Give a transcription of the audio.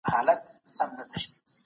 هغې دا خبرې د نظام له بدلون وروسته وکړې.